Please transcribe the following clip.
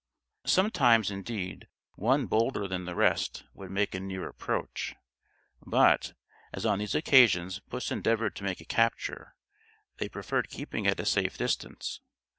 Sometimes, indeed, one bolder than the rest would make a near approach; but, as on these occasions puss endeavoured to make a capture, they preferred keeping at a safe distance.